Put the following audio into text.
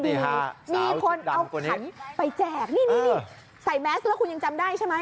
มีคนเอาขันไปแจกนี่ใส่แมสก์แล้วคุณยังจำได้ใช่ไหม